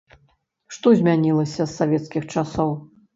Што змянілася з савецкіх часоў?